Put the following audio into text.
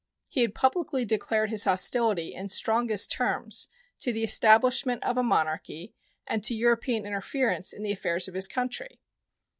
He had publicly declared his hostility, in strongest terms, to the establishment of a monarchy and to European interference in the affairs of his country.